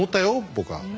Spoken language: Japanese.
僕は。